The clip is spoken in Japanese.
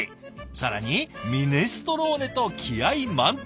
更にミネストローネと気合い満点。